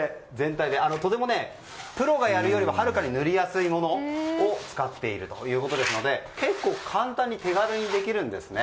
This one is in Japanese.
プロがやるよりもはるかに塗りやすいものを使っているということですので結構、簡単に手軽にできるんですね。